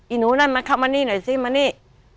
หนูนั่นมาเข้ามานี่หน่อยสิมานี่